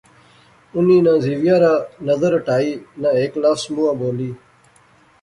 انی نہ زمیا را ندر ہٹائی نہ ہیک لفظ مونہواں بولی